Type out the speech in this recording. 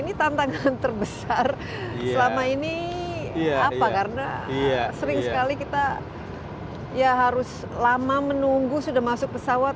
ini tantangan terbesar selama ini apa karena sering sekali kita ya harus lama menunggu sudah masuk pesawat